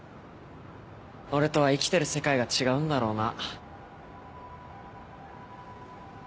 俺とは生きてる世界が違うんだろうな。